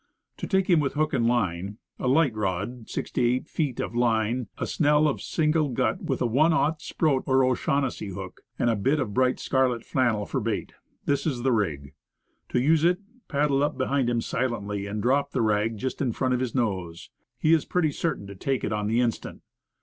To take him with hook and line; a light rod, six to eight feet of line, a snell of single gut with a i o Sproat or O'Shaughnessy hook, and a bit of bright scarlet flannel for bait; this is the rig. To use it, paddle up behind him silently, and drop the rag just in front of his nose. He is pretty certain to take it on the instant.